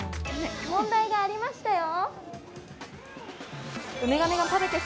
問題がありましたよ。